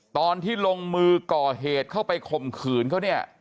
ตอนที่ลงมือก่อเหตุเข้าไปข่มขืนเขาเนี่ย